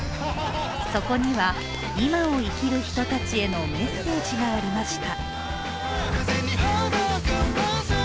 そこには今を生きる人たちへのメッセージがありました。